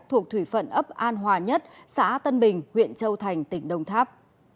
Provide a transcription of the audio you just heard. thuộc thủy phận ấp an hòa nhất xã tân bình huyện châu thành tỉnh đồng tháp